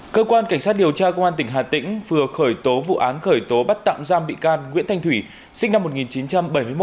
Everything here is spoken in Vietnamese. cơ quan cảnh sát điều tra công an tỉnh hà tĩnh vừa khởi tố vụ án khởi tố bắt tạm giam bị can nguyễn thanh thủy sinh năm một nghìn chín trăm bảy mươi một